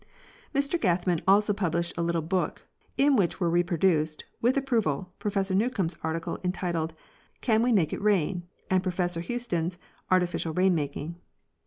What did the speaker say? Mr Gathman also published a little book in which were re produced, with approval, Professor Newcombh's article entitled, "Can We Make it Rain?" and Professor Houston's " Artificial Rain making."